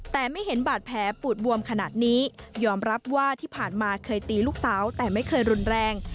แต่ไม่เห็นบาดแผลปูดบวมขนาดนี้ยอมรับว่าที่ผ่านมาเคยตีลูกสาวแต่ไม่เคยรุนแรง